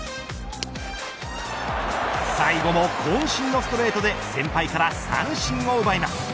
最後も、こん身のストレートで先輩から三振を奪います。